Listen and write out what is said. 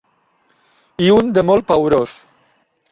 I un de molt paorós.